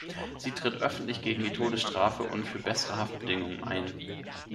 Sie tritt öffentlich gegen die Todesstrafe und für bessere Haftbedingungen ein.